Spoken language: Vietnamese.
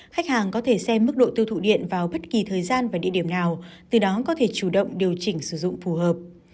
khách hàng có thể xem mức độ tiêu thụ điện vào bất kỳ thời gian và địa điểm nào từ đó có thể chủ động điều chỉnh sử dụng phù hợp